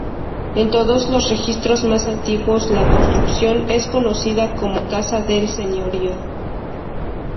En todos los registros más antiguos la construcción es conocida como "Casa del Señorío".